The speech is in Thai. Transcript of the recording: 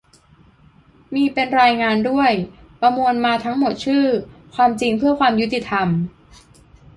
มีเป็นรายงานด้วย ประมวลมาทั้งหมดชื่อ "ความจริงเพื่อความยุติธรรม"